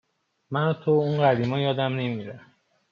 من و تو و اون قدیما یادم نمیره